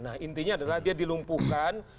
nah intinya adalah dia dilumpuhkan